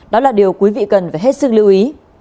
đó là điều quý vị cần phải hết sức lưu ý